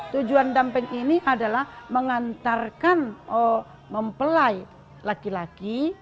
tujuan dampeng ini adalah mengantarkan mempelai laki laki